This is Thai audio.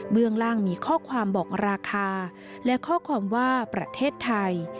เรื่องล่างมีข้อความบอกราคาและข้อความว่าประเทศไทย